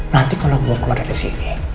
nanti kalo gua keluar dari sini